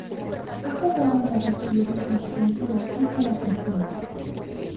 Ha jugado en varios clubes del Ascenso del Fútbol Argentino.